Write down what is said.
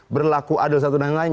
berlaku adil satu dengan lain